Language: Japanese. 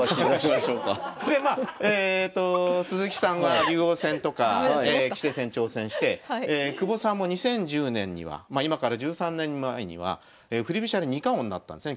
鈴木さんは竜王戦とか棋聖戦挑戦して久保さんも２０１０年にはま今から１３年前には振り飛車で二冠王になったんですね。